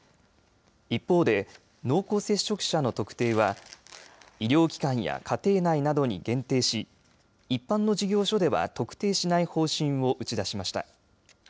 一方で濃厚接触者の特定は医療機関や家庭内などに限定し一般の事業所では特定しない方針を打ち出しました。